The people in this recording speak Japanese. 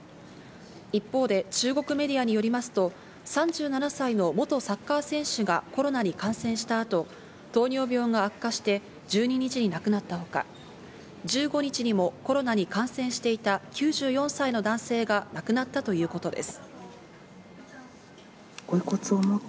一方で中国メディアによりますと、３７歳の元サッカー選手がコロナに感染した後、糖尿病が悪化して、１２日に亡くなったほか１５日にもコロナに感染していた９４歳の男性が亡くなったということです。